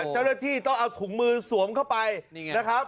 เจ้าหน้าที่ต้องเอาถุงมือสวมเข้าไปนะครับ